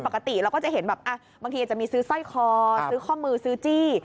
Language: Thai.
ปกติเราก็จะเห็นแบบบางทีอาจจะมีซื้อสร้อยคอซื้อข้อมือซื้อจี้